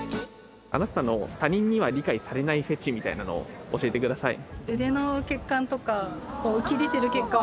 あなたの他人には理解されないフェチみたいなのを教えてくださいあ！